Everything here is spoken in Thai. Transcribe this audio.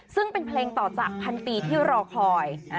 ซึ่งเป็นเพลงต่อจากพันปีที่รอคอย